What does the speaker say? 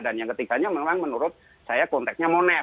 dan yang ketiganya memang menurut saya konteksnya monet